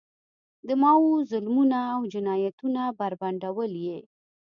د ماوو ظلمونه او جنایتونه بربنډول یې.